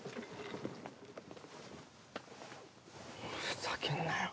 ふざけんなよ。